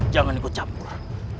jangan ikut campur